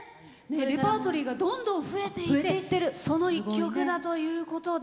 レパートリーがどんどん増えていてその一曲だということで。